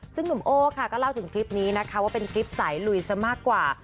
ซึ่งหนุ่มโอ้ค่ะก็เล่าถึงคลิปนี้นะคะว่าเป็นคลิปสายลุยซะมากกว่า